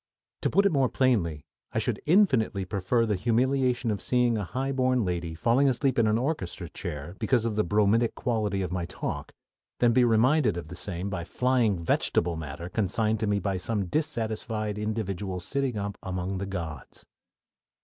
To put it more plainly, I should infinitely prefer the humiliation of seeing a highborn lady falling asleep in an orchestra chair because of the bromidic quality of my talk, than be reminded of the same by flying vegetable matter consigned to me by some dissatisfied individual sitting up among the "gods."